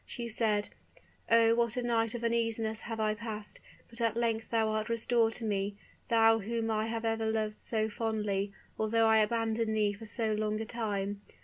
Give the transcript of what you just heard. She said, 'Oh, what a night of uneasiness have I passed! But at length thou art restored to me; thou whom I have ever loved so fondly; although I abandoned thee for so long a time!'